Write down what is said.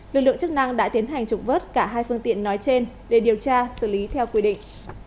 lực lượng chức năng đã tiến hành trục vất cả hai phương tiện nói trên để điều tra xử lý theo quy định